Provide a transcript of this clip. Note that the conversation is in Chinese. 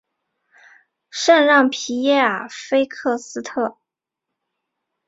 圣让皮耶尔菲克斯特。